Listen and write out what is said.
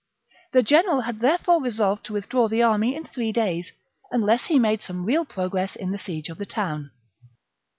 The General had therefore resolved to withdraw the army in three days unless he made some real progress in the siege of the town.